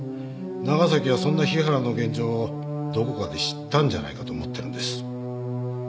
長崎はそんな日原の現状をどこかで知ったんじゃないかと思ってるんです。